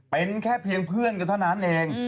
เป็นแค่เพียงเพื่อนกันเท่านั้นเอง